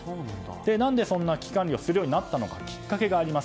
何でそんな危機管理をするようになったのかきっかけがあります。